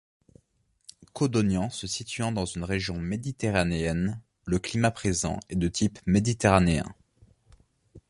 Codognan se situant dans une région méditerranéenne, le climat présent est de type méditerranéen.